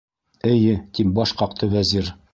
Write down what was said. - Эйе, - тип баш ҡаҡты Вәзир.